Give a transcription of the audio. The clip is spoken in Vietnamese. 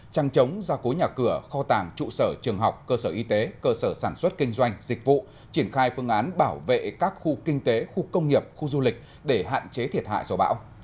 trăng trống ra cối nhà cửa kho tàng trụ sở trường học cơ sở y tế cơ sở sản xuất kinh doanh dịch vụ triển khai phương án bảo vệ các khu kinh tế khu công nghiệp khu du lịch để hạn chế thiệt hại do bão